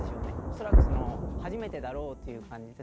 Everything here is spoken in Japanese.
恐らく初めてだろうという感じで。